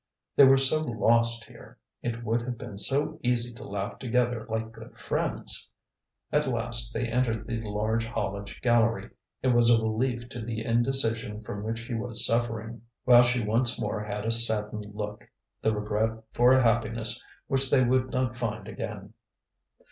They were so lost here, it would have been so easy to laugh together like good friends! At last they entered the large haulage gallery; it was a relief to the indecision from which he was suffering; while she once more had a saddened look, the regret for a happiness which they would not find again.